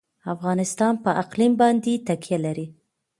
افغانستان په اقلیم باندې تکیه لري.